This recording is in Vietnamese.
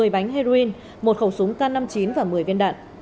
một mươi bánh heroin một khẩu súng k năm mươi chín và một mươi viên đạn